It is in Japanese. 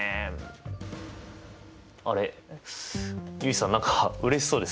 あれっ結衣さん何かうれしそうですね。